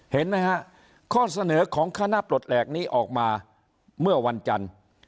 เห็นไหมฮะข้อเสนอของคณะปลดแหลกนี้ออกมาเมื่อวันจันทร์